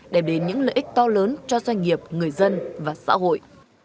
đem đến những lợi ích to lớn cho doanh nghiệp người dân và xã hội